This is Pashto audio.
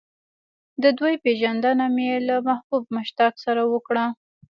د دوی پېژندنه مې له محبوب مشتاق سره وکړه.